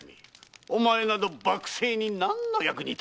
お前など幕政に何の役に立とう。